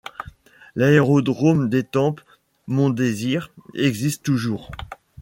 L'aérodrome d'Étampes - Mondésir existe toujours.